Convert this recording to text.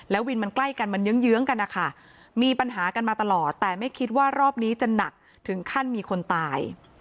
วินมันใกล้กันมันเยื้องกันนะคะมีปัญหากันมาตลอดแต่ไม่คิดว่ารอบนี้จะหนักถึงขั้นมีคนตาย